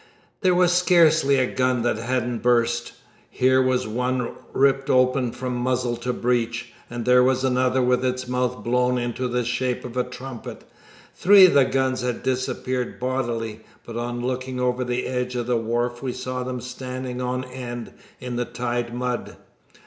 There was scarcely a gun that hadn't burst. Here was one ripped open from muzzle to breech, and there was another with its mouth blown into the shape of a trumpet. Three of the guns had disappeared bodily, but on looking over the edge of the wharf we saw them standing on end in the tide mud.